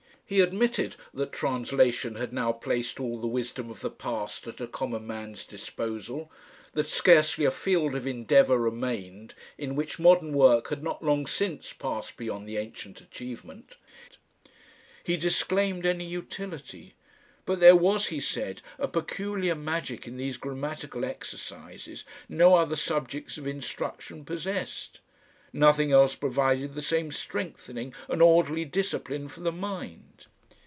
He admitted that translation had now placed all the wisdom of the past at a common man's disposal, that scarcely a field of endeavour remained in which modern work had not long since passed beyond the ancient achievement. He disclaimed any utility. But there was, he said, a peculiar magic in these grammatical exercises no other subjects of instruction possessed. Nothing else provided the same strengthening and orderly discipline for the mind.